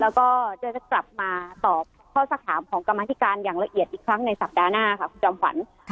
แล้วก็จะกลับมาตอบข้อสักถามของกรรมธิการอย่างละเอียดอีกครั้งในสัปดาห์หน้าค่ะคุณจอมขวัญ